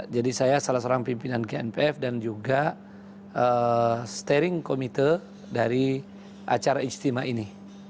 jadi saya salah seorang pimpinan knpf dan juga steering komite dari acara ijtima ini